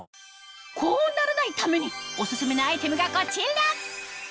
こうならないためにオススメのアイテムがこちら！